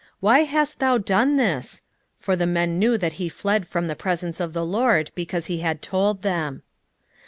Why hast thou done this? For the men knew that he fled from the presence of the LORD, because he had told them.